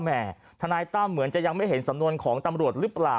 แหมธนาฬิกาต้ำเหมือนจะยังไม่เห็นสำนวนของตำรวจรึเปล่า